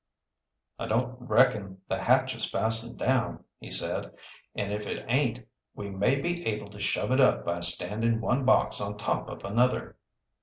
"I don't reckon the hatch is fastened down," he said. "An' if it aint we may be able to shove it up by standing one box on top of another."